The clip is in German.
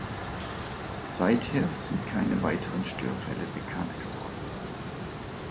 Seither sind keine weiteren Störfälle bekannt geworden.